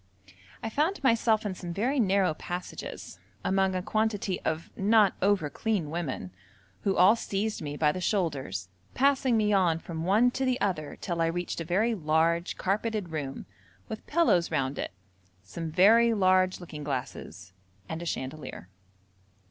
I found myself in some very narrow passages, among a quantity of not over clean women, who all seized me by the shoulders, passing me on from one to the other till I reached a very large carpeted room, with pillows round it, some very large looking glasses and a chandelier.